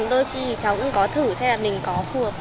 đôi khi cháu cũng có thử xem là mình có phù hợp